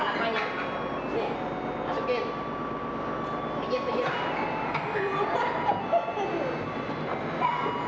kamu sama ari tinggal sini aja dong